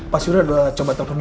pak sudha sudah coba telfon ini